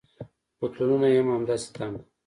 پتلونونه يې هم همداسې تنګ وو.